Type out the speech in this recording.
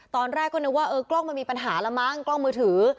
ตอนแรกก็นึกว่าเออกล้องมันมีปัญหาแล้วมั้งกล้องมือถือ